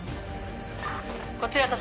こちら橘。